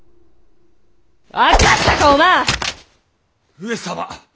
上様